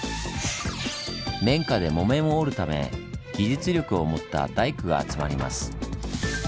綿花で木綿を織るため技術力を持った大工が集まります。